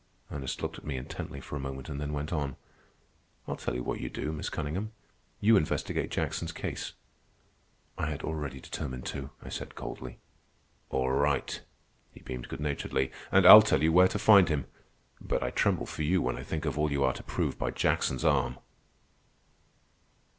Ernest looked at me intently for a moment, then went on. "I'll tell you what you do, Miss Cunningham. You investigate Jackson's case." "I had already determined to," I said coldly. "All right," he beamed good naturedly, "and I'll tell you where to find him. But I tremble for you when I think of all you are to prove by Jackson's arm."